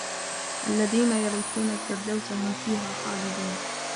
الذين يرثون الفردوس هم فيها خالدون